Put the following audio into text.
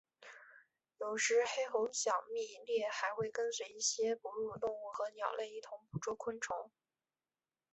有时黑喉响蜜䴕还会跟随一些哺乳动物和鸟类一同捕捉昆虫。